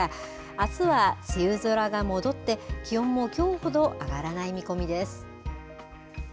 あすは梅雨空が戻って、気温もきょうほど上がらない見込みです。